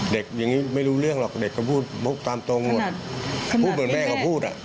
เด็กอย่างนี้ไม่รู้เรื่องหรอกเด็กก็พูดตามตรงหมดพูดเหมือนแม่เขาพูดอ่ะ